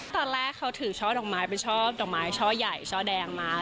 ตอนแรกเขาถือช่อดอกไม้ไปช่อดอกไม้ช่อใหญ่ช่อแดงมา